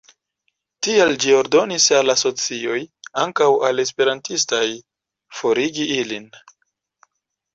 Tial ĝi ordonis al asocioj, ankaŭ al esperantistaj, forigi ilin.